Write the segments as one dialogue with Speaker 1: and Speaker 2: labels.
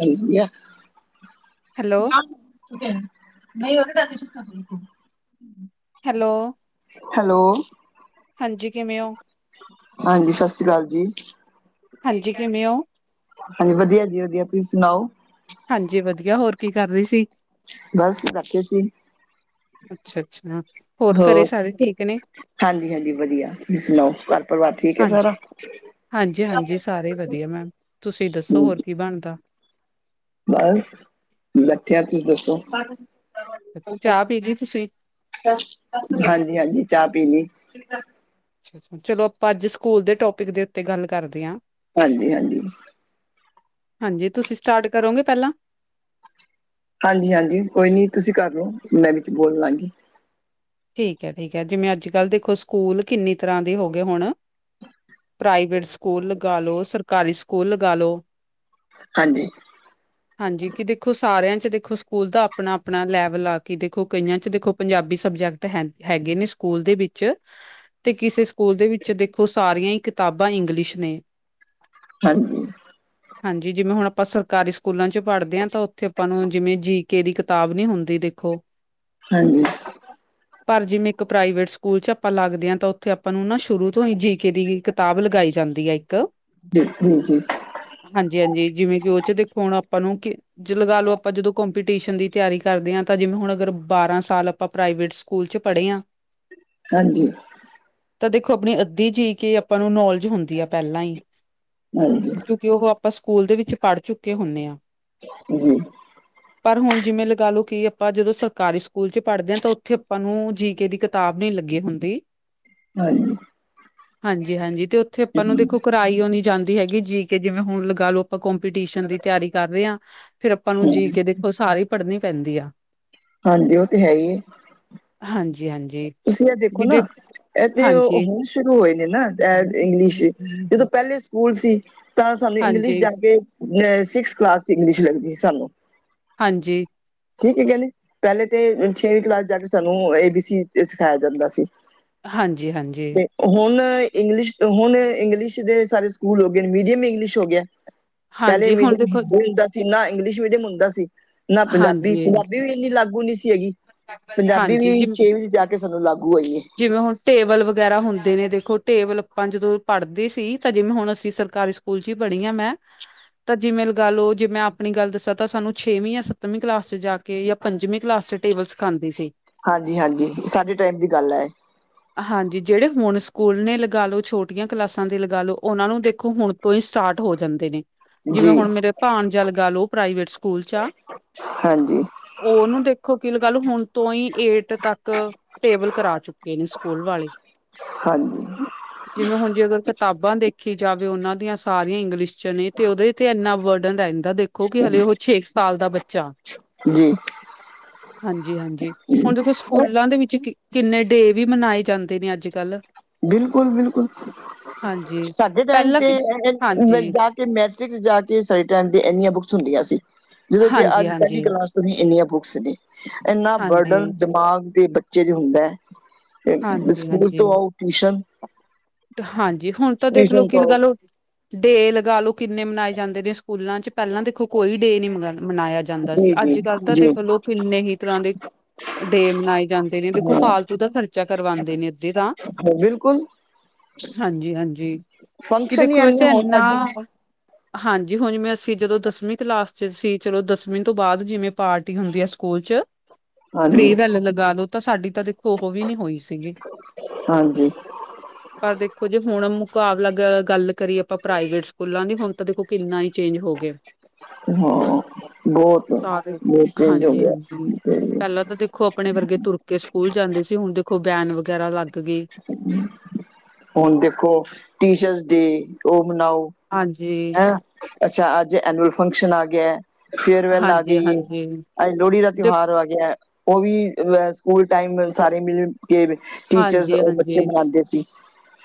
Speaker 1: ਹੋ ਗਿਆ
Speaker 2: ਹੈਲੋ
Speaker 1: ਨਾ। [unintelligible]
Speaker 2: ਹੈਲੋ,
Speaker 1: ਹੈਲੋ,
Speaker 2: ਹਾਂਜੀ ਕਿਵੇਂ ਹੋ?
Speaker 1: ਹਾਂਜੀ ਸਤਿ ਸ੍ਰੀ ਅਕਾਲ ਜੀ
Speaker 2: ਹਾਂਜੀ ਕਿਵੇਂ ਹੋ?
Speaker 1: ਹਾਂਜੀ ਵਧੀਆ, ਜੀ ਵਧੀਆ ਤੁਸੀਂ ਸੁਣਾਓ?
Speaker 2: ਹਾਂਜੀ ਵਧੀਆ। ਹੋਰ ਕੀ ਕਰ ਰਹੀ ਸੀ।
Speaker 1: ਬਸ ਬੈਠੇ ਸੀ
Speaker 2: ਅੱਛਾ-ਅੱਛਾ।
Speaker 1: ਹੋਰ ਹਾਂਜੀ-ਹਾਂਜੀ ਵਧੀਆ ਤੁਸੀਂ ਸੁਣਾਓ ਗੱਲ? ਪਰਿਵਾਰ ਠੀਕ ਹੈ
Speaker 2: ਹਾਂਜੀ
Speaker 1: ਸਾਰਾ।
Speaker 2: ਹਾਂਜੀ ਹਾਂਜੀ ਸਾਰੇ ਵਧੀਆ ਮੈਮ ਤੁਸੀਂ
Speaker 1: ਹ
Speaker 2: ਦੱਸੋ ਹੋਰ ਕੀ ਬਣਦਾ।
Speaker 1: ਬਸ ਬੈਠੇ ਤੁਸੀਂ ਦੱਸੋ।
Speaker 2: ਚਾਹ ਪੀ ਗਏ ਤੁਸੀਂ।
Speaker 1: ਹਾਂਜੀ-ਹਾਂਜੀ ਚਾਹ ਪੀ ਲੀ।
Speaker 2: ਚਲੋ ਆਪਾਂ ਅੱਜ ਸਕੂਲ ਦੇ ਟੋਪਿਕ ਦੇ ਉੱਤੇ ਗੱਲ ਕਰਦੇ ਹਾਂ।
Speaker 1: ਹਾਂਜੀ-ਹਾਂਜੀ।
Speaker 2: ਹਾਂਜੀ ਤੁਸੀਂ ਸਟਾਰਟ ਕਰੋਗੇ ਪਹਿਲਾਂ।
Speaker 1: ਹਾਂਜੀ-ਹਾਂਜੀ ਕੋਈ ਨੀ ਤੁਸੀਂ ਕਰ ਲਓ। ਮੈਂ ਵਿੱਚ ਬੋਲ ਲਾਂਗੀ।
Speaker 2: ਠੀਕ ਹੈ, ਠੀਕ ਹੈ ਜਿਵੇਂ ਅੱਜ ਕੱਲ੍ਹ ਦੇਖੋ ਸਕੂਲ ਕਿੰਨੀ ਤਰ੍ਹਾਂ ਦੇ ਹੋ ਗਏ ਹੁਣ। ਪ੍ਰਾਈਵੇਟ ਸਕੂਲ ਲਗਾ ਲੋ, ਸਰਕਾਰੀ ਸਕੂਲ ਲਗਾ ਲ ਲੋ।
Speaker 1: ਹਾਂਜੀ।
Speaker 2: ਹਾਂਜੀ। ਕਿ ਦੇਖੋ ਸਾਰਿਆਂ ਚ' ਦੇਖੋ ਸਕੂਲ ਦਾ ਆਪਣਾ-ਆਪਣਾ ਲੈਵਲ ਆ ਕੇ ਦੇਖੋ ਕਈਆਂ ਚ' ਦੇਖੋ ਪੰਜਾਬੀ ਸਬਜੈਕਟ ਹੈ ਹੈਗੇ ਨੇ ਸਕੂਲ ਦੇ ਵਿੱਚ। ਤੇ ਕਿਸੇ ਸਕੂਲ ਦੇ ਵਿੱਚ ਦੇਖੋ ਸਾਰੀਆਂ ਹੀ ਕਿਤਾਬਾਂ ਇੰਗਲਿਸ਼ ਨੇ।
Speaker 1: ਹਾਂਜੀ।
Speaker 2: ਹਾਂਜੀ, ਜਿਵੇਂ ਹੁਣ ਆਪਾਂ ਸਰਕਾਰੀ ਸਕੂਲਾਂ ਚ' ਪੜ੍ਹਦੇ ਹਾਂ ਤਾਂ ਉੱਥੇ ਆਪਾਂ ਨੂੰ ਜਿਵੇਂ ਜੀ ਕੇ ਦੀ ਕਿਤਾਬ ਨੀ ਹੁੰਦੀ ਦੇਖੋ।
Speaker 1: ਹਾਂਜੀ।
Speaker 2: ਪਰ ਜਿਵੇਂ ਇੱਕ ਪ੍ਰਾਈਵੇਟ ਸਕੂਲ ਚ' ਆਪਾਂ ਲੱਗਦੇ ਹਾਂ ਤਾਂ ਉੱਥੇ ਆਪਾਂ ਨੂੰ ਨਾ ਸ਼ੁਰੂ ਤੋਂ ਹੀ ਜੀ ਕੇ ਦੀ ਕਿਤਾਬ ਲਗਾਈ ਜਾਂਦੀ ਹੈ ਇੱਕ।
Speaker 1: ਜੀ-ਜੀ-ਜੀ।
Speaker 2: ਹਾਂਜੀ-ਹਾਂਜੀ ਜਿਵੇਂ ਕਿ ਉਹ ਚ' ਦੇਖੋ ਹੁਣ ਆਪਾਂ ਨੂੰ ਕਿ ਲਗਾ ਲੋ ਆਪਾਂ ਜਦੋਂ ਘੁੰ ਪੀਟੀਸ਼ਨ ਦੀ ਤਿਆਰੀ ਕਰਦੇ ਹਾਂ। ਤਾਂ ਜਿਵੇਂ ਹੁਣ ਅਗਰ ਬਾਰਾਂ ਸਾਲ ਆਪਾਂ ਪ੍ਰਾਈਵੇਟ ਸਕੂਲ 'ਚ ਪੜ੍ਹੇ ਆ
Speaker 1: ਹਾਂਜੀ।
Speaker 2: ਤਾਂ ਦੇਖੋ ਆਪਣੀ ਅੱਧੀ ਜੀ ਕੇ ਆਪਾਂ ਨੂੰ ਨੌਲੇਜ ਹੁੰਦੀ ਆ ਪਹਿਲਾਂ ਹੀ
Speaker 1: ਹਾਂਜੀ
Speaker 2: ਕਿਉਂਕਿ ਉਹ ਆਪਾਂ ਸਕੂਲ ਦੇ ਵਿੱਚ ਪੜ੍ਹ ਚੁੱਕੇ ਹੁੰਨੇ ਹਾਂ।
Speaker 1: ਜੀ।
Speaker 2: ਪਰ ਹੁਣ ਜਿਵੇਂ ਲਗਾ ਲਓ ਕਿ ਆਪਾਂ ਜਦੋਂ ਸਰਕਾਰੀ ਸਕੂਲ ਚ ਪੜ੍ਹਦੇ ਹਾਂ ਤਾਂ ਉਥੇ ਆਪਾਂ ਨੂੰ ਜੀ ਕੇ ਦੀ ਕਿਤਾਬ ਨੀ ਲੱਗੀ ਹੁੰਦੀ
Speaker 1: ਹਾਂਜੀ
Speaker 2: ਹਾਂਜੀ-ਹਾਂਜੀ ਤੇ ਉੱਥੇ ਆਪਾਂ ਨੂੰ ਦੇਖੋ ਸਿਖਾਈ ਓ ਨੀ ਜਾਂਦੀ ਹੈਗੀ ਜੀ ਕੇ ਜਿਵੇਂ ਹੁਣ ਲਗਾ ਲਓ ਆਪਾਂ ਕੋਂਪੀਟੀਸ਼ਨ ਦੀ ਤਿਆਰੀ ਕਰ ਰਹੇ ਹਾਂ ਫਿਰ ਆਪਾਂ ਨੂੰ
Speaker 1: ਹਾਂਜੀ
Speaker 2: ਜੀ ਕੇ ਦੇਖੋ ਸਾਰੀ ਪੜ੍ਹਨੀ ਪੈਂਦੀ ਆ
Speaker 1: ਹਾਂਜੀ ਉਹ ਤੇ ਹੈਈ ਏ
Speaker 2: ਹਾਂਜੀ-ਹਾਂਜੀ
Speaker 1: ਤੁਸੀਂ ਐ ਦੇਖੋ
Speaker 2: ਵੀ
Speaker 1: ਨਾ
Speaker 2: ਦੇਖ
Speaker 1: ਇਹ ਤੇ ਉਹ
Speaker 2: ਹਾਂਜੀ।
Speaker 1: ਹੁਣ ਸ਼ੁਰੂ ਹੋਏ ਨੇ ਨਾ ਇੰਗਲਿਸ਼, ਜਦੋਂ ਪਹਿਲੇ ਸਕੂਲ ਸੀ, ਤਾਂ ਸਾਨੂੰ
Speaker 2: ਹਾਂਜੀ,
Speaker 1: ਇੰਗਲਿਸ਼ ਜਾ ਕੇ ਅ ਸਿਕਸ ਕਲਾਸ ਚ ਇੰਗਲਿਸ਼ ਲੱਗਦੀ ਸਾਨੂੰ
Speaker 2: ਹਾਂਜੀ
Speaker 1: ਠੀਕ ਕਹਿੰਦੇ, ਪਹਿਲੇ ਤੇ ਛੇਵੀਂ ਕਲਾਸ ਜਾ ਕੇ ਸਾਨੂੰ ਏ ਬੀ ਸੀ ਸਿਖਾਇਆ ਜਾਂਦਾ ਸੀ
Speaker 2: ਹਾਂਜੀ-ਹਾਂਜੀ
Speaker 1: ਤੇ ਹੁਣ ਇੰਗਲਿਸ਼ ਹੁਣ ਇੰਗਲਿਸ਼ ਦੇ ਸਾਰੇ ਸਕੂਲ ਹੋ ਗਏ ਨੇ ਮੀਡੀਅਮ ਇੰਗਲਿਸ਼ ਹੋ ਗਿਆ ਪਹਿਲੇ
Speaker 2: ਹਾਂਜੀ ਹੁਣ
Speaker 1: ਮੀਡੀਅਮ
Speaker 2: ਦੇਖੋ
Speaker 1: ਹਿੰਦੀ ਹੁੰਦਾ ਸੀ ਨਾ ਇੰਗਲਿਸ਼ ਮੀਡੀਅਮ ਹੁੰਦਾ ਸੀ, ਨਾ
Speaker 2: ਹਾਂਜੀ,
Speaker 1: ਪੰਜਾਬੀ-ਪੰਜਾਬੀ ਵੀ ਇੰਨੀ ਲਾਗੂ ਨਹੀਂ ਸੀ ਹੈਗੀ, ਪੰਜਾਬੀ
Speaker 2: ਹਾਂਜੀ
Speaker 1: ਵੀ
Speaker 2: ਜਿਵੇਂ
Speaker 1: ਛੇਵੀ ਚ ਜਾ ਕੇ ਸਾਨੂੰ ਲਾਗੂ ਹੋਈ ਐ।
Speaker 2: ਜਿਵੇਂ ਹੁਣ ਟੇਬਲ ਵਗੈਰਾ ਹੁੰਦੇ ਨੇ ਦੇਖੋ ਟੇਬਲ ਆਪਾਂ ਜਦੋਂ ਪੜ੍ਹਦੇ ਸੀ ਤਾਂ ਜਿਵੇਂ ਹੁਣ ਅਸੀਂ ਸਰਕਾਰੀ ਸਕੂ ਲ ਚ ਹੀ ਪੜ੍ਹੀ ਏ ਮੈਂ ਤਾਂ ਜਿਵੇਂ ਲਗਾ ਲਓ ਜੇ ਮੈਂ ਆਪਣੀ ਗੱਲ ਦੱਸਾਂ ਤਾਂ ਸਾਨੂੰ ਛੇਵੀਂ ਜਾਂ ਸੱਤਵੀਂ ਕਲਾਸ ਚ ਜਾ ਕੇ ਪੰਜਵੀਂ ਕਲਾਸ ਚ ਟੇਬਲ ਸਿਖਾਦੇ ਸੀ
Speaker 1: ਹਾਂਜੀ-ਹਾਂਜੀ ਸਾਡੇ ਟਾਈਮ ਦੀ ਗੱਲ ਐ ਏ
Speaker 2: ਹਾਂਜੀ, ਜਿਹੜੇ ਹੁਣ ਸਕੂਲ ਨੇ ਲਗਾ ਲੋ ਛੋਟੀਆਂ ਕਲਾਸਾਂ ਦੇ ਲਗਾ ਲੋ ਉਹਨਾਂ ਨੂੰ ਦੇਖੋ ਹੁਣ ਤੋਂ ਸਟਾਰਟ ਹੋ ਜਾਂਦੇ ਨੇ। ਜਿਵੇਂ
Speaker 1: ਜੀ
Speaker 2: ਹੁਣ ਮੇਰੇ ਭਾਣਜਾ ਲਗਾ ਲਓ ਪ੍ਰਾਈਵੇਟ ਸਕੂਲ ਚ ਆ
Speaker 1: ਹਾਂਜੀ
Speaker 2: ਉਹਨੂੰ ਦੇਖੋ ਕਿ ਲਗਾ ਲੋ ਹੁਣ ਤੋਂ ਹੀ ਏਟ ਤੱਕ ਟੇਬਲ ਕਰਾ ਚੁੱਕ ਤੇਰੀ ਸਕੂਲ ਵਾਲੀ। ਜਿਵੇਂ ਹੁਣ ਜੇਕਰ ਕਿਤਾਬਾਂ ਦੇਖੀ ਜਾਵੇ ਉਹਨਾਂ ਦੀਆਂ ਸਾਰੀਆਂ ਇੰਗਲਿਸ਼ ਚ ਨੇ ਤੇ ਉਹਦੇ ਤੇ ਇੰਨਾ ਵਰਡਨ ਰਹਿੰਦਾ ਦੇਖ ਕਿਓਂਕਿ ਹਲੇ ਉਹ ਛੇ ਕ ਸਾਲ ਦਾ ਬੱਚਾ
Speaker 1: ਜੀ
Speaker 2: ਹਾਂਜੀ-ਹਾਂਜੀ, ਹੁਣ ਸਕੂਲਾਂ ਦੇ ਵਿੱਚ ਕਿੰਨੇ ਡੇਅ ਵੀ ਮਨਾਏ ਜਾਂਦੇ ਨੇ ਅੱਜ-ਕੱਲ੍ਹ
Speaker 1: ਬਿਲਕੁਲ-ਬਿਲਕੁਲ,
Speaker 2: ਹਾਂਜੀ
Speaker 1: ਸਾਡੇ ਟਾਈਮ
Speaker 2: ਪਹਿਲਾਂ
Speaker 1: ਤੇ
Speaker 2: ਕਿ ਹਾਂਜੀ
Speaker 1: [unintelligible] ਮੈਟ੍ਰਿਕਸ ਜਾ ਕੇ ਸਾਰੇ ਟਾਈਮ ਦੇ ਇੰਨੀਆਂ ਬੁੱਕਸ ਹੁੰਦੀਆਂ ਸੀ, ਜਦੋਂ ਕਿ
Speaker 2: ਹਾਂਜੀ,
Speaker 1: ਅੱਜ
Speaker 2: ਹਾਂਜੀ,
Speaker 1: ਪਹਿਲੀ ਕਲਾਸ ਇੰਨੀਆਂ ਬੁੱਕਸ ਨੇ ਇੰਨਾ ਵਰਡਨ
Speaker 2: ਹਾਂਜੀ,
Speaker 1: ਦਿਮਾਗ ਦੇ ਬੱਚੇ ਚ ਹੁੰਦਾ ਸਕੂਲ
Speaker 2: ਹਾਂਜੀ-ਹਾਂਜੀ,
Speaker 1: ਤੋਂ ਆਓ ਟਿਊਸ਼ਨ
Speaker 2: ਹਾਂਜੀ ਹੁਣ ਤਾਂ ਦੇਖ ਲਓ
Speaker 1: ਟਿਊਸ਼ਨ
Speaker 2: ਕਿ
Speaker 1: ਤੋਂ
Speaker 2: ਲਗਾ
Speaker 1: ਆਓ
Speaker 2: ਲਓ ਡੇ ਲਗਾ ਲੋ ਕਿੰਨੇ ਮਨਾਏ ਜਾਂਦੇ ਨੇ ਸਕੂਲਾਂ ਚ ਪਹਿਲਾਂ ਦੇਖੋ ਕੋਈ ਡੇ ਨਹੀ ਮਨਾਇਆ ਜਾਂਦਾ ਸੀ ਅੱਜ-ਕੱਲ੍ਹ ਤਾਂ
Speaker 1: ਜੀ-ਜੀ-ਜੀ
Speaker 2: ਦੇਖ ਲੋ ਕਿੰਨੇ ਹੀ ਤਰ੍ਹਾਂ ਦੇ ਡੇ ਮਨਾਏ ਜਾਂਦੇ ਨੇ ਦੇਖੋ
Speaker 1: ਹਾਂ
Speaker 2: ਫਾਲਤੂ ਦੇ ਖ਼ਰਚੇ ਕਰਵਾਂਦੇ ਨੇ ਅੱਧੇ ਤਾਂ
Speaker 1: ਬਿਲਕੁਲ
Speaker 2: ਹਾਂਜੀ-ਹਾਂਜੀ, ਕਿ
Speaker 1: ਫੰਕਸ਼ਨ ਹੀ
Speaker 2: ਦੇਖੋ
Speaker 1: ਇਨੇ
Speaker 2: ਵੈਸੇ
Speaker 1: ਹੋਣ
Speaker 2: ਇਨਾ
Speaker 1: [inaudible]
Speaker 2: ਹਾਂਜੀ, ਹੁਣ ਜਿਵੇਂ ਅਸੀਂ ਜਦੋਂ ਦਸਵੀਂ ਕਲਾਸ ਚ ਸੀ ਚਲੋ ਦਸਵੀਂ ਤੋਂ ਬਾਅਦ ਜਿਵੇਂ ਪਾਰਟੀ ਹੁੰਦੀ ਆ ਸਕੂਲ ਚ ਫਰੀ
Speaker 1: ਹਾਂਜੀ-ਹਾਂਜੀ
Speaker 2: ਵੈੱਲ ਲਗਾ ਲੋ ਤਾਂ ਸਾਡੀ ਤਾਂ ਦੇਖੋ ਉਹ ਵੀ ਨੀ ਹੋਈ ਸੀਗੀ ਪਰ ਦੇਖੋ ਜੇ ਹੁਣ ਮੁਕਾਬਲਾ ਗੱਲ ਕਰੀਏ ਪ੍ਰਾਈਵੇਟ ਸਕੂਲਾਂ ਦੀ ਹੁਣ ਤਾਂ ਦੇਖੋ ਕਿੰਨਾ ਹੀ ਚੇਂਜ ਹੋ ਗਿਆ
Speaker 1: ਹਾਂ
Speaker 2: ਸਾਰੇ
Speaker 1: ਬਹੁਤ-ਬਹੁਤ ਚੇਂਜ ਹੋ
Speaker 2: ਹਾਂਜੀ
Speaker 1: ਗਿਆ
Speaker 2: ਹਾਂਜੀ। ਪਹਿਲਾਂ ਤਾਂ ਦੇਖੋ ਆਪਣੇ ਵਰਗੇ ਤੁਰ ਕੇ ਸਕੂਲ ਜਾਂਦੇ ਸੀ ਹੁਣ ਦੇਖੋ ਵੇਨ ਵਗੈਰਾ ਲੱਗ ਗਈ
Speaker 1: [unintelligible] ਹੁਣ ਦੇਖੋ, ਟੀਚਰਸ ਡੇ, ਉਹ ਮਨਾਓ।
Speaker 2: ਹਾਂਜੀ।
Speaker 1: ਹੈਂ, ਅੱਛਾ, ਅੱਜ ਐਨੂਅਲ ਫੰਕਸ਼ਨ ਆ ਗਿਆ। ਫੇਅਰਵੈਲ ਆ
Speaker 2: ਹਾਂਜੀ
Speaker 1: ਗਈ ਹੈ,
Speaker 2: ਹਾਂਜੀ
Speaker 1: ਅੱਜ ਲੋਹੜੀ ਦਾ
Speaker 2: ਦੇ
Speaker 1: ਤਿਉਹਾਰ ਆ ਗਿਆ। ਉਹ ਵੀ ਸਕੂਲ ਟਾਈਮ ਸਾਰੇ ਮਿਲ ਕੇ, ਟੀਚਰ
Speaker 2: ਹਾਂਜੀ
Speaker 1: ਉਹ
Speaker 2: ਹਾਂਜੀ
Speaker 1: ਬੱਚੇ ਮਨਾਉਂਦੇ ਸੀ।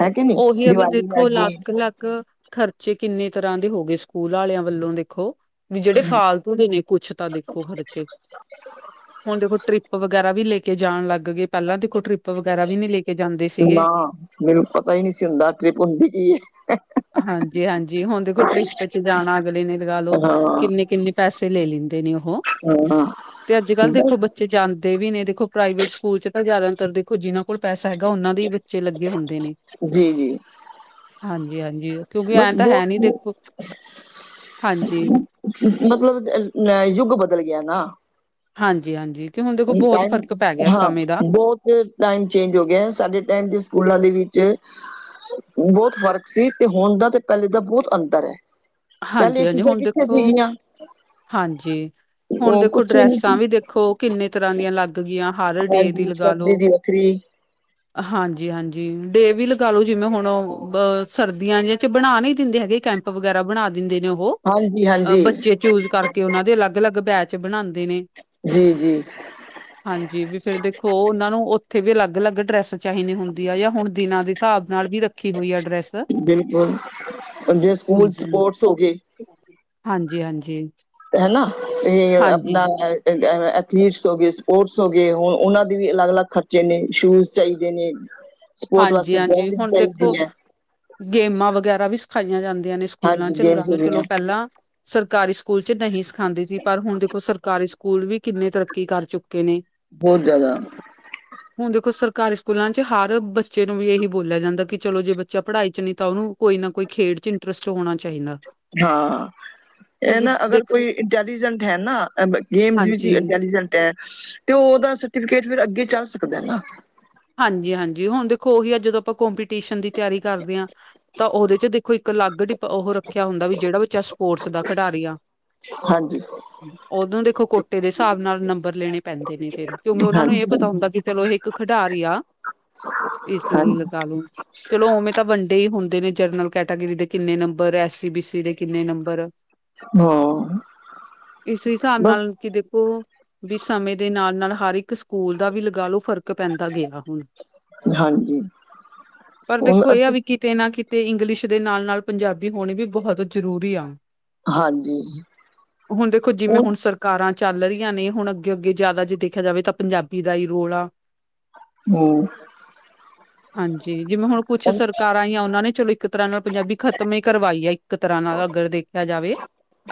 Speaker 1: ਹੈ ਕਿ ਨਹੀਂ
Speaker 2: ਉਹੀ ਹੈ ਵੀ
Speaker 1: ਦੀਵਾਲੀ ਆ
Speaker 2: ਦੇਖੋ,
Speaker 1: ਗਈ
Speaker 2: ਅਲੱਗ ਲੱਗ ਖ਼ਰਚੇ ਕਿੰਨੇ ਤਰ੍ਹਾਂ ਦੇ ਹੋ ਗਏ ਸਕੂਲ ਵਾਲਿਆਂ ਵੱਲੋਂ ਦੇਖੋ, ਵੀ ਜਿਹੜੇ ਫਾਲਤੂ ਨੇ ਕੁੱਛ ਤਾਂ ਦੇਖੋ ਖ਼ਰਚੇ ਹੁਣ ਦੇਖੋ, ਟ੍ਰਿਪ ਵਗੈਰਾ ਵੀ ਲੈ ਕੇ ਜਾਣ ਲੱਗ ਗਏ, ਪਹਿਲਾਂ ਦੇਖੋ ਟ੍ਰਿਪ ਵਗੈਰਾ ਵੀ ਨਹੀਂ ਲੈ ਕੇ ਜਾਂਦੇ ਸੀਗੇ
Speaker 1: ਨਾ, ਮੈਨੂੰ ਪਤਾ ਹੀ ਨਹੀਂ ਸੀ ਹੁੰਦਾ ਟ੍ਰਿਪ ਹੁੰਦੀ ਕੀ ਹੈ।
Speaker 2: ਹਾਂਜੀ-ਹਾਂਜੀ, ਹੁਣ ਦੇਖੋ ਟ੍ਰਿਪ ਚ ਜਾਣਾ ਅਗਲੇ ਨੇ ਲਗਾ ਲਓ
Speaker 1: ਹਾਂ
Speaker 2: ਕਿੰਨੇ ਕਿੰਨੇ ਪੈਸੇ ਲੈ ਲੈਂਦੇ ਨੇ ਉਹ,
Speaker 1: ਹਾਂ
Speaker 2: ਤੇ ਅੱਜ ਕੱਲ੍ਹ
Speaker 1: ਬਸ
Speaker 2: ਦੇਖੋ ਬੱਚੇ ਜਾਂਦੇ ਵੀ ਨੇ ਦੇਖੋ ਪ੍ਰਾਈਵੇਟ ਸਕੂਲ ਚ ਤਾਂ ਜ਼ਿਆਦਾਤਰ ਦੇਖੋ ਜਿਨਾਂ ਕੋਲ ਪੈਸਾ ਹੈਗਾ ਉਹਨਾਂ ਦੇ ਹੀ ਬੱਚੇ ਲੱਗੇ ਹੁੰਦੇ ਨੇ।
Speaker 1: ਜੀ-ਜੀ
Speaker 2: ਹਾਂਜੀ-ਹਾਂਜੀ ਕਿਉਂਕਿ ਐਂ
Speaker 1: ਬਸ
Speaker 2: ਤਾਂ
Speaker 1: ਬਹੁਤ
Speaker 2: ਹੈ
Speaker 1: [inaudible]
Speaker 2: ਨੀ ਦੇਖੋ ਹਾਂਜੀ।
Speaker 1: ਮਤਲਬ, [unintelligible] ਅ ਯੁੱਗ ਬਦਲ ਗਿਆ ਨਾ।
Speaker 2: ਹਾਂਜੀ-ਹਾਂਜੀ, ਕਿ ਹੁਣ ਦੇਖੋ ਬਹੁਤ
Speaker 1: ਟਾਈਮ
Speaker 2: ਫ਼ਰਕ ਪੈ ਗਿਆ
Speaker 1: ਹਾਂ
Speaker 2: ਸਮੇਂ ਦਾ।
Speaker 1: ਬਹੁਤ ਟਾਈਮ ਚੇਂਜ ਹੋ ਗਿਆ, ਸਾਡੇ ਟਾਈਮ ਦੇ ਸਕੂਲਾਂ ਦੇ ਵਿੱਚ ਬਹੁਤ ਫ਼ਰਕ ਸੀ, ਤੇ ਹੁਣ ਦਾ ਤੇ ਪਹਿਲੇ ਦਾ ਬਹੁਤ ਅੰਤਰ ਹੈ। ਪਹਿਲੇ ਇਹ
Speaker 2: ਹਾਂਜੀ-ਹਾਂਜੀ,
Speaker 1: ਚੀਜ਼ਾਂ
Speaker 2: ਹੁਣ
Speaker 1: ਕਿੱਥੇ
Speaker 2: ਦੇਖੋ,
Speaker 1: ਸੀਗੀਆਂ
Speaker 2: ਹਾਂਜੀ, ਹੁਣ
Speaker 1: ਉਹ
Speaker 2: ਦੇਖੋ
Speaker 1: ਕੁਛ ਨਹੀਂ ਸੀ
Speaker 2: ਡਰੈਸਾਂ ਵੀ ਦੇਖ ਖੋ ਕਿੰਨੇ ਤਰ੍ਹਾਂ ਦੀਆਂ ਲੱਗ ਗਈਆਂ, ਹਰ ਡੇ ਦੀ
Speaker 1: ਹਾਂਜੀ
Speaker 2: ਲਗਾ
Speaker 1: ਸਰਦੀ
Speaker 2: ਲਓ।
Speaker 1: ਦੀ ਵੱਖਰੀ
Speaker 2: ਹਾਂਜੀ-ਹਾਂਜੀ, ਡੇ ਵੀ ਲਗਾਲੋ, ਜਿਵੇਂ ਹੁਣ [unintelligible] ਸਰਦੀਆਂ ਜੇ ਚ ਬਣਾ ਨਹੀਂ ਦਿੰਦੇ ਹੈਗੇ ਕੈਂਪ ਵਗੈਰਾ ਬਣਾ ਦਿੰਦੇ ਨੇ ਉਹ,
Speaker 1: ਹਾਂਜੀ ਹਾਂਜੀ
Speaker 2: ਬੱਚੇ ਚੂਜ ਕਰਕੇ ਉਹਨਾਂ ਦੇ ਅਲੱਗ-ਅਲੱਗ ਬੈਚ ਬਣਾਉਂਦੇ ਨੇ।
Speaker 1: ਜੀ-ਜੀ
Speaker 2: ਹਾਂਜੀ ਵੀ ਫੇਰ ਦੇਖੋ, ਉਹਨਾਂ ਨੂੰ ਉੱਥੇ ਵੀ ਅਲੱਗ-ਅਲੱਗ ਡਰੈੱਸ ਚਾਹੀਦੀ ਹੁੰਦੀ ਆ, ਜਾਂ ਹੁਣ ਦਿਨਾਂ ਦੇ ਹਿਸਾਬ ਨਾਲ ਵੀ ਰੱਖੀ ਹੋਈ ਆ ਡਰੈਸ,
Speaker 1: ਬਿਲਕੁਲ
Speaker 2: ਹਾਂਜੀ।
Speaker 1: ਸੋ ਗਏ।
Speaker 2: ਹਾਂਜੀ-ਹਾਂਜੀ।
Speaker 1: ਹਨਾ, ਇਹ
Speaker 2: ਹਾਂਜੀ,
Speaker 1: ਆਪਣਾ ਐਥਲੀਟਸ ਹੋ ਗਏ, ਸਪੋਰਟਸ ਹੋ ਗਏ, ਹੁਣ ਉਹਨਾਂ ਦੇ ਵੀ ਅਲੱਗ- ਅਲੱਗ ਖਰਚੇ ਨੇ, ਸ਼ੂਜ਼ ਚਾਹੀਦੇ ਨੇ ਸਪੋਰਟ ਵਾਸਤੇ
Speaker 2: ਹਾਂਜੀ-ਹਾਂਜੀ
Speaker 1: ਡਰੈਸਿੰਗ
Speaker 2: ਹੁਣ ਦੇਖੋ
Speaker 1: ਚਾਹੀਦੀ ਹੈ।
Speaker 2: ਗੇਮਾਂ ਵਗੈਰਾ ਵੀ ਸਿਖਾਈਆਂ ਜਾਂਦੀਆਂ ਨੇ, ਸਕੂਲਾਂ
Speaker 1: ਹਾਂਜੀ
Speaker 2: ਚ ਲਗਾ
Speaker 1: ਗੇਮਸ ਹੋ
Speaker 2: ਲਓ
Speaker 1: ਗਈਆਂ
Speaker 2: ਚਲੋ ਪਹਿਲਾਂ ਸਰਕਾਰੀ ਸਕੂਲ ਚ ਨਹੀਂ ਸਿਖਾਉਂਦੀ ਸੀ, ਪਰ ਹੁਣ ਦੇਖੋ ਸਰਕਾਰੀ ਸਕੂਲ ਵੀ ਕਿੰਨੇ ਤਰੱਕੀ ਕਰ ਚੁੱਕੇ ਨੇ।
Speaker 1: ਬਹੁਤ ਜ਼ਿਆਦਾ
Speaker 2: ਹੁਣ ਦੇਖੋ ਸਰਕਾਰੀ ਸਕੂਲਾਂ ਚ ਹਰ ਬ ਬੱਚੇ ਨੂੰ ਵੀ ਇਹੀ ਬੋਲਿਆ ਜਾਂਦਾ ਕਿ, ਚਲੋ ਜੇ ਬੱਚਾ ਪੜ੍ਹਾਈ ਚ ਨਹੀਂ ਤਾਂ ਉਹਨੂੰ ਕੋਈ ਨਾ ਕੋਈ ਖੇਡ ਚ ਰਸਟ ਹੋਣਾ ਚਾਹੀਦਾ।
Speaker 1: ਹਾਂ। ਇਹ
Speaker 2: ਕਿਉਂਕਿ
Speaker 1: ਨਾ ਅਗਰ
Speaker 2: ਦੇਖੋ
Speaker 1: ਕੋਈ ਇੰਟੈਲੀਜੈਂਟ ਹੈ ਨਾ, ਗੇਮਸ ਵਿੱਚ
Speaker 2: ਹਾਂਜੀ
Speaker 1: ਵੀ ਇੰਟੈਲੀਜੈਂਟ ਤੇ ਉਹਦਾ ਸਰਟੀਫਿਕੇਟ ਫਿਰ ਅੱਗੇ ਚੱਲ ਸਕਦਾ ਨਾ
Speaker 2: ਹਾਂਜੀ-ਹਾਂਜੀ, ਹੁਣ ਦੇਖੋ ਉਹੀ ਅੱਜ ਜਦੋਂ ਆਪਾਂ ਕੋਂਪੀਟੀਸ਼ਨ ਦੀ ਤਿਆਰੀ ਕਰਦੇ ਹਾਂ। ਤਾਂ ਉਹਦੇ ਚ ਦੇਖੋ ਇੱਕ ਅਲੱਗ, ਡਪ ਉਹ ਰੱਖਿਆ ਹੁੰਦਾ ਵੀ ਜਿਹੜਾ ਬੱਚਾ ਸਪੋਰਟਸ ਦਾ ਖਿਡਾਰੀ ਆ।
Speaker 1: ਹਾਂਜੀ।
Speaker 2: ਔਦਾ ਦੇਖੋ, ਕੋਟੇ ਦੇ ਹਿਸਾਬ ਨਾਲ ਨੰਬਰ ਲੈਣੇ ਪੈਂਦੇ ਨੇ ਫੇਰ, ਕਿਉਂਕਿ ਉਹਨਾ ਨੂੰ ਇਹ
Speaker 1: ਹਾਂਜੀ
Speaker 2: ਪਤਾ ਹੁੰਦਾ ਕਿ ਚਲੋ ਇਹ ਇੱਕ ਖਿਡਾਰੀ ਆ, ਇਸ ਲਈ
Speaker 1: ਹਾਂਜੀ
Speaker 2: ਲਗਾ ਲੋ, ਚਲੋ ਉਵੇਂ ਤਾਂ ਵੰਡੇ ਹੀ ਹੁੰਦੇ ਨੇ, ਜਨਰਲ ਕੈਟਾਗਰੀ ਦੇ ਕਿੰਨੇ ਨੰਬਰ, ਐਸੀ ਬੀ ਸੀ ਦੇ ਕਿੰਨੇ ਨੰਬਰ,
Speaker 1: ਹਾਂ
Speaker 2: ਇਸ ਹਿਸਾਬ
Speaker 1: ਬਸ
Speaker 2: ਨਾਲ ਕਿ ਦੇਖੋ ਵੀ ਸਮੇਂ ਦੇ ਨਾਲ ਨਾਲ ਹਰ ਇੱਕ ਸਕੂਲ ਦਾ ਵੀ ਲਗਾਲੋ ਫਰਕ ਪੈਂਦਾ ਗੇਹਾ ਹੁਣ
Speaker 1: ਹਾਂਜੀ
Speaker 2: ਪਰ
Speaker 1: ਹੁਣ
Speaker 2: ਦੇਖੋ ਇਹ ਆ ਵੀ ਕਿ ਕਿਤੇ ਨਾ ਕਿਤੇ ਇੰਗਲਿਸ਼ ਦੇ ਨਾਲ ਨਾਲ ਪੰਜਾਬੀ ਹੋਣੀ ਵੀ ਬਹੁਤ ਜ਼ਰੂਰੀ ਆ।
Speaker 1: ਹਾਂਜੀ
Speaker 2: ਹੁਣ ਦੇਖੋ ਜਿਵੇਂ ਹੁਣ ਸਰ ਕਾਰਾਂ ਚੱਲ ਰਹੀਆਂ ਨੇ ਹੁਣ ਅੱਗੇ-ਅੱਗੇ ਜ਼ਿਆਦਾ ਜੇ ਦੇਖਿਆ ਜਾਵੇ ਤਾਂ ਪੰਜਾਬੀ ਦਾ ਈ ਰੋਲ ਆ।
Speaker 1: ਹੂੰ।
Speaker 2: ਹਾਂਜੀ ਜਿਵੇਂ ਹੁਣ ਕੁੱਛ ਸਰਕਾਰਾਂ ਇਆਂ ਉਹਨਾਂ ਨੇ ਚਲੋ ਇੱਕ ਤਰ੍ਹਾਂ ਨਾਲ ਪੰਜਾਬੀ ਖ਼ਤਮ ਈ ਕਰਵਾਈ ਐ ਇੱਕ ਤਰ੍ਹਾਂ ਨਾਲ ਅਗਰ ਦੇਖਿਆ ਜਾਵੇ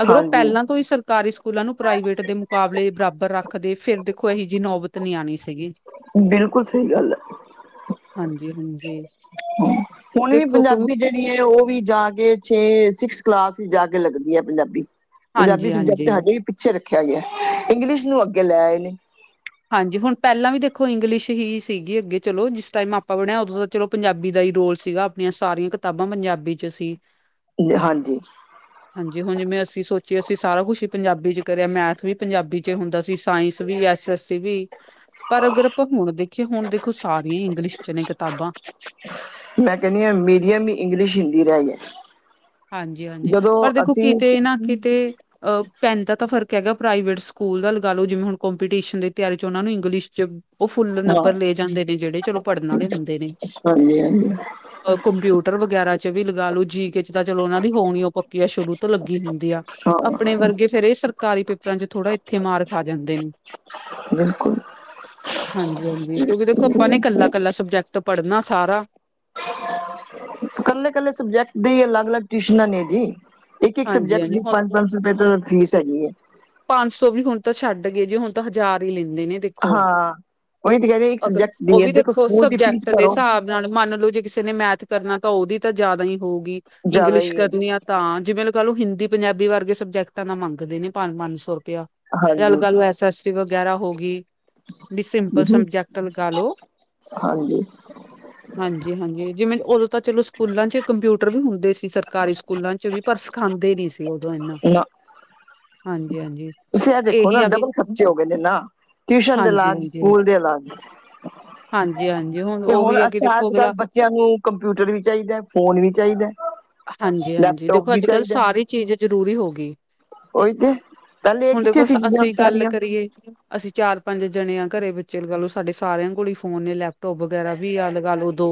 Speaker 2: ਅਗਰ ਉਹ
Speaker 1: ਹਾਂਜੀ
Speaker 2: ਪਹਿਲਾਂ ਤੋਂ ਈ ਸਰਕਾਰੀ ਸ ਸਕੂਲਾਂ ਨੂੰ ਪ੍ਰਾਈਵੇਟ ਦੇ ਮੁਕਾਬਲੇ ਬਰਾਬਰ ਰੱਖਦੇ ਫ਼ਿਰ ਦੇਖੋ ਇਹੀ ਜਿਹੀ ਨੌਬਤ ਨਹੀਂ ਆਉਣੀ ਸੀਗੀ।
Speaker 1: ਬਿਲਕੁਲ ਸਹੀ ਗੱਲ ਐ।
Speaker 2: ਹਾਂਜੀ-ਹਾਂਜੀ।
Speaker 1: ਹੁਣ ਵੀ
Speaker 2: ਦੇਖੋ ਕਿਉਂ
Speaker 1: ਪੰਜਾਬੀ ਜਿਹੜੀ ਵੀ ਏ ਉਹ ਵੀ ਜਾ ਕੇ ਛੇ ਸਿਕਸ ਕਲਾਸ ਚ ਜਾ ਕੇ ਲੱਗਦੀ ਏ ਪੰਜਾਬੀ। ਪੰਜਾਬੀ
Speaker 2: ਹਾਂਜੀ-ਹਾਂਜੀ।
Speaker 1: ਸਬਜੈਕਟ
Speaker 2: ਹਾਂਜੀ,
Speaker 1: ਹਜੇ ਵੀ ਪਿੱਛੇ ਰੱਖਿਆ ਗਿਆ ਇੰਗਲਿਸ਼ ਨੂੰ ਅੱਗੇ ਲੈ ਆਏ ਨੇ।
Speaker 2: ਹਾਂਜੀ ਹੁਣ ਪਹਿਲਾਂ ਵੀ ਦੇਖੋ ਇੰਗਲਿਸ਼ ਹੀ ਸੀਗੀ ਅੱਗੇ ਚਲੋ ਜਿਸ ਟਾਈਮ ਆਪਾਂ ਬਣਿਆ ਉਦੋਂ ਚਲੋ ਪੰਜਾਬੀ ਦਾ ਈ ਰੋਲ ਸੀਗਾ ਆਪਣੀਆਂ ਸਾਰੀਆਂ ਕਿਤਾਬਾਂ ਪੰਜਾਬੀ 'ਚ ਸੀ।
Speaker 1: ਹਾਂਜੀ।
Speaker 2: ਹਾਂਜੀ ਹੁਣ ਜਿਵੇਂ ਅਸੀਂ ਸੋਚੀਏ ਅਸੀਂ ਸਾਰਾ ਕੁਛ ਹੀ ਪੰਜਾਬੀ ਚ ਕਰਿਆ ਮੈਥ ਵੀ ਪੰਜਾਬੀ ਚ ਹੁੰਦਾ ਸੀ ਸਾਇੰਸ ਵੀ ਐ ਵੀ ਪਰ ਅਗਰ ਆਪਾਂ ਹੁਣ ਦੇਖੀਏ ਹੁਣ ਦੇਖੋ ਸਾਰੀਆਂ ਇੰਗਲਿਸ਼ ਚ ਨੇ ਕਿਤਾਬਾਂ
Speaker 1: ਮੈਂ ਕਹਿੰਣੀ ਆ ਮੀਡੀਅਮ ਵੀ ਇੰਗਲਿਸ਼ ਹਿੰਦੀ ਰਹਿ ਗਿਆ ਐ।
Speaker 2: ਹਾਂਜੀ-ਹਾਂਜੀ ਪਰ ਦੇਖੋ ਕਿਤੇ ਨਾ ਕਿਤੇ ਅਹ ਪੈਂਨ ਦਾ ਤਾਂ ਫ਼ਰਕ ਹੈਗਾ ਪ੍ਰਾਈਵੇਟ ਸਕੂਲ ਦਾ ਲਗਾ ਲਓ ਜਿਵੇਂ ਹੁਣ ਕੰਪੀਟੀਸ਼ਨ ਦੀ ਤਿਆਰੀ ਚ ਉਹ ਨੂੰ ਇੰਗਲਿਸ਼ ਚ ਉਹ ਫੁੱਲ
Speaker 1: ਹਾਂ
Speaker 2: ਨੰਬਰ ਲੈ ਜਾਂਦੇ ਨੇ ਜਿਹੜੇ ਚਲੋ ਪੜ੍ਹਨ ਆਲੇ ਹੁੰਦੇ ਨੇ।
Speaker 1: ਹਾਂਜੀ ਹਾਂਜੀ
Speaker 2: ਕੰਪਿਊਟਰ ਵਗੈਰਾ ਚ ਵੀ ਲਗਾ ਲਓ ਜੀ ਕੇ ਚ ਤਾਂ ਚਲੋ ਉਹਨਾਂ ਦੀ ਹੋਣੀ ਉਹ ਪੱਕੀ ਆ ਸ਼ੁਰੂ ਤੋਂ ਲੱਗੀ ਹੁੰਦੀ ਆ
Speaker 1: ਹਾਂ
Speaker 2: ਆਪਣੇ ਵਰਗੇ ਫੇਰ ਇਹ ਸਰਕਾਰੀ ਪੇਪਰਾਂ ਚ ਥੋੜ੍ਹਾ ਇੱਥੇ ਮਾਰ ਖਾ ਜਾਂਦੇ ਨੇ।
Speaker 1: ਬਿਲਕੁਲ
Speaker 2: ਹਾਂਜੀ-ਹਾਂਜੀ ਕਿਉਂਕਿ ਦੇਖੋ ਆਪਾਂ ਨੇ ਕੱਲਾ ਕੱਲਾ ਸਬਜੈਕਟ ਪੜ੍ਹਨਾ ਸਾਰਾ
Speaker 1: ਕੱਲੇ-ਕੱਲੇ ਸਬਜੈਕਟ ਦੇ ਅਲੱਗ-ਅਲੱਗ ਟਿਊਸ਼ਨਾਂ ਨੇ ਜੀ। ਇੱਕ-ਇੱਕ ਸਬਜੈਕਟ ਦੀ ਪੰਜ
Speaker 2: ਹਾਂਜੀ-ਹਾਂਜੀ
Speaker 1: ਪੰਜ ਸ ਰੁਪਏ ਤਾਂ ਫੀਸ ਹੈਗੀ ਏ।
Speaker 2: ਪੰਜ ਸੌ ਵੀ ਹੁਣ ਤਾਂ ਛੱਡ ਗਏ ਜੇ ਹੁਣ ਤਾਂ ਹਜ਼ਾਰ ਈ ਲੈਂਦੇ ਨੇ ਤੇ
Speaker 1: ਹਾਂ ਉਹੀ ਤੇ ਕਹਿ ਰਹੀ ਇੱਕ
Speaker 2: ਅਗਰ
Speaker 1: ਸਬਜੈਕਟ
Speaker 2: ਉਹ
Speaker 1: ਦੀ ਹੈ
Speaker 2: ਵੀ ਦੇਖੋ
Speaker 1: ਸਕੂਲ ਦੀ ਫੀਸ
Speaker 2: ਸਬਜੈਕਟ ਦੇ
Speaker 1: ਭਰੋ
Speaker 2: ਸਾਬ ਨਾਲ ਮੰਨ ਲਓ ਜੇ ਕਿਸੇ ਨੇ ਮੈਥ ਕਰਨਾ ਤਾਂ ਉਹਦੀ ਤਾਂ ਜ਼ਿਆਦਾ ਈ ਹੋਊਗੀ
Speaker 1: ਜ਼ਿਆਦਾ
Speaker 2: ਇੰਗਲਿਸ਼
Speaker 1: ਹੀ ਹੈ
Speaker 2: ਕਰਨੀ ਆ ਤਾਂ ਜਿਵੇਂ ਲਗਾ ਲਓ ਹਿੰਦੀ ਪੰਜਾਬੀ ਵਰਗੇ ਸਬਜੈਕਟਾਂ ਦਾ ਮੰਗਦੇ ਨੇ ਪੰਜ-ਪੰਜ ਸੌ ਰੁਪਇਆ। ਤੇ ਗਲ ਨੂੰ
Speaker 1: ਹਾਂਜੀ
Speaker 2: ਐਸ ਐਸਟੀ ਵਗੈਰਾ ਹੋਗੀ ਬੀ ਸਿੰਪਲ
Speaker 1: ਜੀ
Speaker 2: ਸਬਜੈਕਟ ਲਗਾ ਲਓ
Speaker 1: ਹਾਂਜੀ
Speaker 2: ਹਾਂਜੀ-ਹਾਂਜੀ ਜਿਵੇਂ ਉਦੋਂ ਤਾਂ ਚਲੋ ਸਕੂਲਾਂ ਚ ਕੰਪਿਊਟਰ ਵੀ ਹੁੰਦੇ ਸੀ ਸਰਕਾਰੀ ਸਕੂਲਾਂ ਚ ਵੀ ਪਰ ਸਖਾਂਦੇ ਨੀ ਸੀ ਉਦੋਂ ਇਨਾ
Speaker 1: ਨਾਅ।
Speaker 2: ਹਾਂਜੀ-ਹਾਂਜੀ।
Speaker 1: ਤੁਸੀਂ ਇਹ ਦੇਖੋ ਨਾ ਡਬਲ ਖਰਚੇ ਹੋ ਗਏ ਨੇ ਨਾ ਟਿਊਸ਼ਨ ਦੇ
Speaker 2: ਹਾਂਜੀ
Speaker 1: ਲਗ
Speaker 2: ਹਾਂਜੀ
Speaker 1: ਸਕੂਲ ਦੇ ਅਲਗ।
Speaker 2: ਹਾਂਜੀ-ਹਾਂਜੀ
Speaker 1: ਤੇ ਹੁਣ
Speaker 2: ਉਹੀ ਆ ਕਿ
Speaker 1: ਅੱਛਾ
Speaker 2: ਦੇਖੋ
Speaker 1: ਅੱਜ ਕੱਲ੍ਹ
Speaker 2: ਅਗਲਾ
Speaker 1: ਬੱਚਿਆਂ ਨੂੰ ਕੰਪਿਊਟਰ ਵੀ ਚਾਈਦਾ ਫੋਨ ਵੀ ਚਾਈਦਾ
Speaker 2: ਹਾਂਜੀ-ਹਾਂਜੀ ਦੇਖੋ ਅੱਜ ਕੱਲ੍ਹ ਸਾਰੀ ਚੀਜ਼ ਜ਼ਰੂਰੀ ਹੋ ਗੀ
Speaker 1: ਉਈ ਤੇ। ਪਹਿਲੇ ਇਹ
Speaker 2: ਹੁਣ
Speaker 1: ਕਿੱਥੇ
Speaker 2: ਦੇਖੋ
Speaker 1: ਸੀ ਚੀਜ਼ਾਂ
Speaker 2: ਅਸੀਂ ਗੱਲ
Speaker 1: ਸਾਰੀਆਂ
Speaker 2: ਕਰੀਏ ਅਸੀਂ ਚਾਰ ਪੰਜ ਜਣੇ ਆ ਘਰੇ ਬੱਚੇ ਲਗਾ ਲਓ ਸਾਡੇ ਸਾਰਿਆਂ ਕੋਲ ਈ ਫੋਨ ਨੇ ਲੈਪਟੋਪ ਵਗੈਰਾ ਵੀ ਆ ਲਗਾ ਲਓ ਦੋ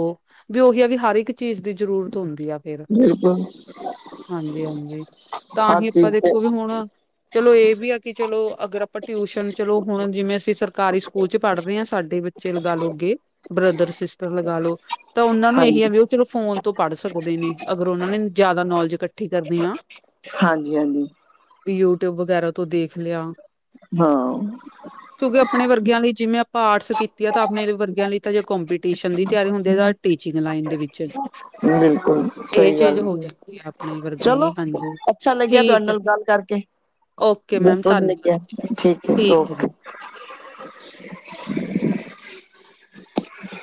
Speaker 2: ਵੀ ਉਹੀ ਆ ਵੀ ਹਰ ਇੱਕ ਚੀਜ਼ ਦੀ ਜ਼ਰੂਰਤ ਹੁੰਦੀ ਆ। ਫਿਰ
Speaker 1: ਬਿਲਕੁਲ
Speaker 2: ਹਾਂਜੀ-ਹਾਂਜੀ ਤਾਂ
Speaker 1: ਹਰ
Speaker 2: ਹੀ
Speaker 1: ਚੀਜ਼
Speaker 2: ਪੈਰੇ
Speaker 1: ਤੇ
Speaker 2: ਹੁਣ ਚਲੋ ਏ ਵੀ ਆ ਕਿ ਚਲੋ ਅਗਰ ਆਪਾਂ ਟਿਊਸ਼ਨ ਚਲੋ ਹੁਣ ਜਿਵੇਂ ਅਸੀਂ ਸਰਕਾਰੀ ਸਕੂਲ ਚ ਪੜ੍ਹ ਰੇ ਆ ਸਾਡੇ ਬੱਚੇ ਲਗਾ ਲੋ ਅੱਗੇ ਬ੍ਰਦਰ ਸਿਸਟਰ ਲਗਾ ਲੋ ਤਾਂ ਓਨਾਂ ਨੂੰ ਇਹੀ ਆ
Speaker 1: ਹਾਂਜੀ
Speaker 2: ਵੀ ਓ ਚਲੋ ਫੋਨ ਤੋਂ ਪੜ ਸਕਦੇ ਨੇ ਅਗਰ ਓਨਾਂ ਨੇ ਜਾਦਾ ਨੌਲੇਜ ਕੱਠੀ ਕਰਨੀ ਆ।
Speaker 1: ਹਾਂਜੀ-ਹਾਂਜੀ
Speaker 2: ਵੀ ਯੂਟੀਊਬ ਵਗੈਰਾ ਤੋਂ ਦੇਖ ਲਿਆ।
Speaker 1: ਹਾਂ।
Speaker 2: ਤੂੰ ਵੀ ਆਪਣੇ ਵਰਗਿਆਂ ਨੂੰ ਜਿਵੇਂ ਪਾਰਟਸ ਕੀਤੀ ਆ ਤਾਂ ਆਪਣੇ ਵਰਗਿਆਂ ਲਈ ਤਾਂ ਜੇ ਕੰਪੀਟੀਸ਼ਨ ਦੀ ਤਿਆਰੀ ਹੁੰਦੀ ਆ ਟੀਚਿੰਗ ਲਾਈਨ ਦੇ ਵਿੱਚ
Speaker 1: ਬਿਲਕੁੱਲ
Speaker 2: ਇਹ
Speaker 1: ਸਈ
Speaker 2: ਚੀਜ਼
Speaker 1: ਗੱਲ
Speaker 2: ਹੋ ਜਾਂਦੀ ਆ ਆਪਣੇ ਵਰਗਿਆਂ ਦੀ
Speaker 1: ਚਲੋ
Speaker 2: ਹਾਂਜੀ
Speaker 1: ਅੱਛਾ ਲੱਗਿਆ ਤੁਹਾਡੇ
Speaker 2: ਠੀਕ ਹੈ
Speaker 1: ਨਾਲ ਗੱਲ ਕਰਕੇ
Speaker 2: ਓਕੇ ਮੈਮ ਧੰਨਵਾਦ ਜੀ,
Speaker 1: [unintelligible] ਠੀਕ ਐ ਓ
Speaker 2: ਹੈ ਜੀ
Speaker 1: [inaudible] [inaudible]